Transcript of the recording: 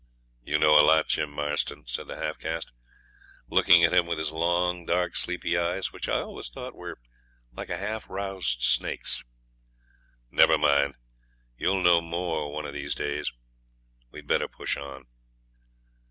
'You know a lot, Jim Marston,' said the half caste, looking at him with his long dark sleepy eyes which I always thought were like a half roused snake's. 'Never mind, you'll know more one of these days. We'd better push on.'